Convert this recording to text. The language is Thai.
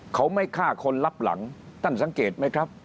เขาไม่ฆ่าคนรับหลังท่านสังเกตไหมครับ